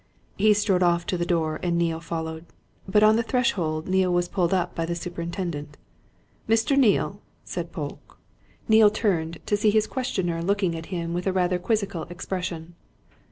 He strode off to the door and Neale followed. But on the threshold Neale was pulled up by the superintendent. "Mr. Neale!" said Polke. Neale turned to see his questioner looking at him with a rather quizzical expression.